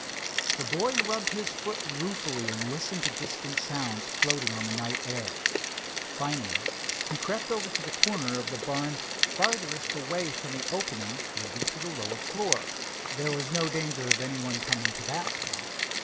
The boy rubbed his foot ruefully and listened to distant sounds floating on the night air. Finally he crept over to the corner of the barn fartherest away from the opening leading to the lower floor. There was no danger of any one coming to that spot.